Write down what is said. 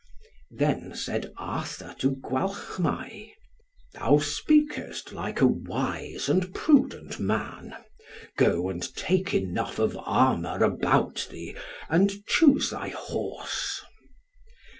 Then said Arthur to Gwalchmai, "Thou speakest like a wise and a prudent man; go and take enough of armour about thee, and choose thy horse."